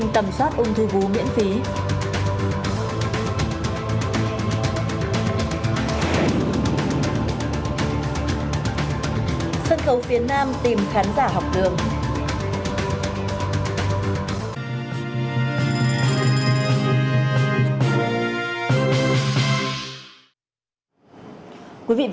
tầm soát ung thư vú miễn phí